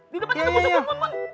di depan ada musuh bon bon bon